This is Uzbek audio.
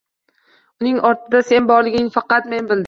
Uning ortida sen borligingni faqat men bildim.